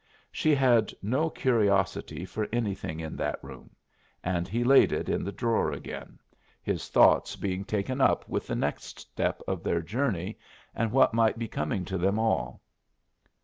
She had no curiosity for anything in that room, and he laid it in the drawer again, his thoughts being taken up with the next step of their journey, and what might be coming to them all.